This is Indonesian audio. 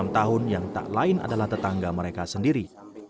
enam tahun yang tak lain adalah tetangga mereka sendiri